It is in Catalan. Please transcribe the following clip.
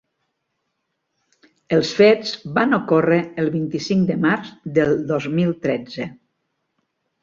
Els fets van ocórrer el vint-i-cinc de març del dos mil tretze.